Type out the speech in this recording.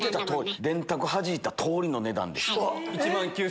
電卓はじいた通りの値段です。